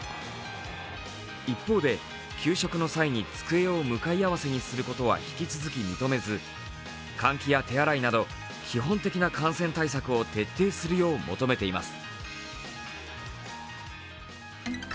一方で、給食の際に机を向かい合わせにすることは引き続き認めず、換気や手洗いなど基本的な感染対策を徹底するよう求めています。